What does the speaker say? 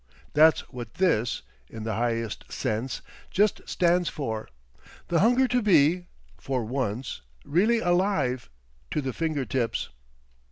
That's what this—in the highest sense—just stands for! The hunger to be—for once—really alive—to the finger tips!...